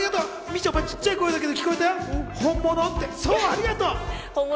みちょぱ、ちっちゃい声で聞こえたよ、本物って、ありがと。